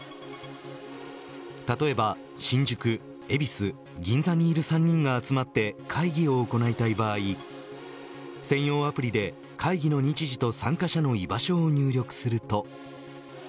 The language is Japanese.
例えば新宿、恵比寿、銀座にいる３人が集まって会議を行いたい場合専用アプリで会議の日時と参加者の居場所を入力すると。